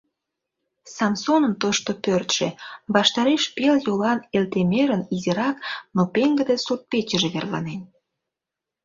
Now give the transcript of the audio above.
Самсонын тошто пӧртшӧ ваштареш пел йолан Элтемырын изирак, но пеҥгыде сурт-печыже верланен.